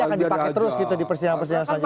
akan dipakai terus gitu di persidangan persidangan saja